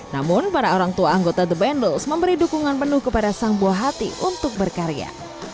namun para orang tua anggota the bundles memberi dukungan penuh kepada sang buah hati untuk berkarya